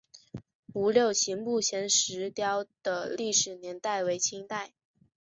吴六奇墓前石雕的历史年代为清代。